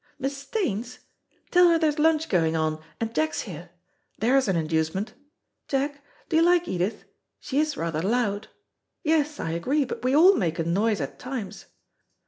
Miss Staines? Tell her there's lunch going on and Jack's here. There's an inducement. Jack, do you like Edith? She's rather loud. Yes, I agree, but we all make a noise at times.